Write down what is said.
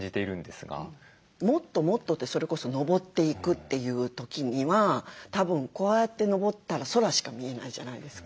もっともっとってそれこそ上っていくという時にはたぶんこうやって上ったら空しか見えないじゃないですか。